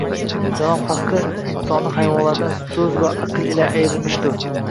Janobi Haq insonni hayvonlardan so’z va aql ila ayirmishdur